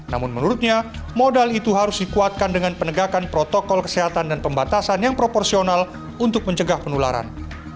namun menurutnya modal itu harus dikuatkan dengan penegakan protokol kesehatan dan pembatasan yang proporsional untuk mencegah penularan